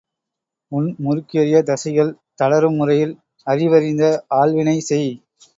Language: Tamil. உன் முறுக்கேறிய தசைகள் தளரும் முறையில் அறிவறிந்த ஆள்வினை செய்!